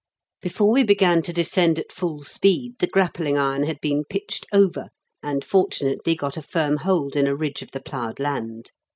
Before we began to descend at full speed the grappling iron had been pitched over, and, fortunately, got a firm hold in a ridge of the ploughed land.